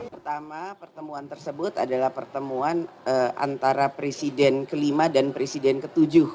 pertama pertemuan tersebut adalah pertemuan antara presiden kelima dan presiden ke tujuh